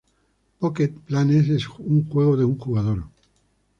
Pocket planes es un juego de un jugador.